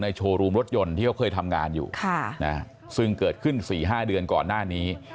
โชว์รูมรถยนต์ที่เขาเคยทำงานอยู่ซึ่งเกิดขึ้น๔๕เดือนก่อนหน้านี้